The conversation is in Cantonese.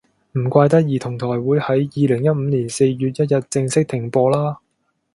唔怪得兒童台會喺二零一五年四月一日正式停播啦